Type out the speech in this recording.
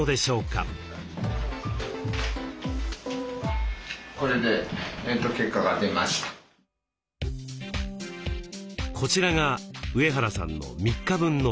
こちらが上原さんの３日分のデータです。